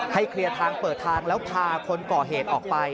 เคลียร์ทางเปิดทางแล้วพาคนก่อเหตุออกไป